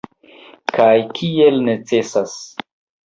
Kaj kiel necesas.